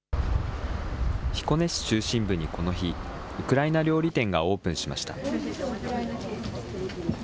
彦根市中心部にこの日、ウクライナ料理店がオープンしました。